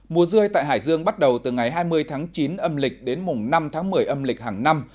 mùa rươi tại hải dương bắt đầu từ ngày hai mươi tháng chín âm lịch đến mùng năm tháng một mươi âm lịch hàng năm